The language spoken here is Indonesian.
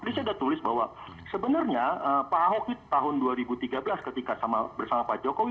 kan disini ada tulis bahwa sebenarnya pak ahokit tahun dua ribu tiga belas ketika bersama pak jokowi